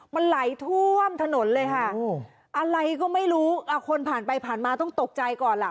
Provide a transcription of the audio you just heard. มันไหลท่วมถนนเลยค่ะอะไรก็ไม่รู้คนผ่านไปผ่านมาต้องตกใจก่อนล่ะ